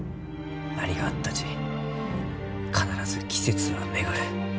何があったち必ず季節は巡る。